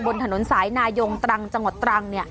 บนฐนสายนายงจังหวัดตรัง